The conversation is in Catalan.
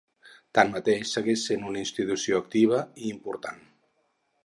Tanmateix, segueix sent una institució activa i important.